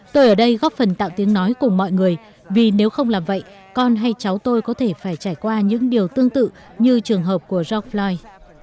tôi ở đây góp phần tạo tiếng nói cùng mọi người vì nếu không làm vậy con hay cháu tôi có thể phải trải qua những điều tương tự như trường hợp của george floy